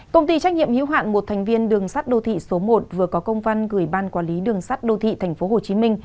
công ty trách nhiệm hữu hạn một thành viên đường sắt đô thị số một vừa có công văn gửi ban quản lý đường sắt đô thị tp hcm